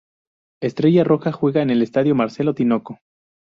Estrella Roja juega en el Estadio Marcelo Tinoco.